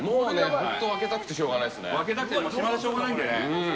本当、分けたくてしょうがないですね。